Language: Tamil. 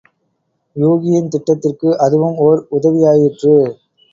யூகியின் திட்டத்திற்கு அதுவும் ஓர் உதவியாயிற்று.